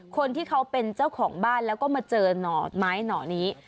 คนที่เขาเป็นเจ้าของบ้านแล้วก็มาเจอหน่อไม้หน่อนี้